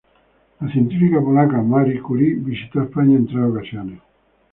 La científica polaca Marie Curie visitó España en tres ocasiones.